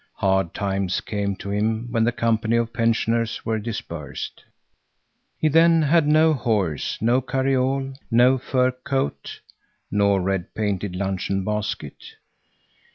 Hard times came to him when the company of pensioners were dispersed. He then had no horse nor carriole, no fur coat nor red painted luncheon basket.